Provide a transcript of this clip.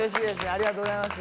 ありがとうございます。